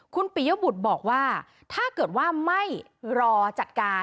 คุณปิยบุตรบอกว่าถ้าเกิดว่าไม่รอจัดการ